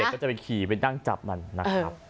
ก็จะไปขี่ไปนั่งจับมันนะครับ